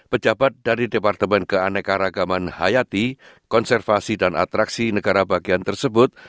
pejabat dari departemen keanekaragaman hayati konservasi dan atraksi negara bagian tersebut